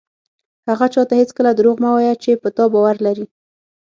هغه چاته هېڅکله دروغ مه وایه چې په تا باور لري.